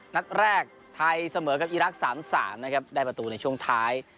นัดแรกไทยเสมอกับอีรักษ์๓๓นะครับได้ประตูในช่วงท้าย